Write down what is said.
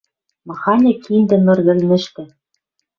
Маханьы киндӹ ныр вӹлнӹштӹ